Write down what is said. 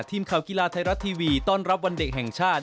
ทีมข่าวกีฬาไทยรัฐทีวีต้อนรับวันเด็กแห่งชาติ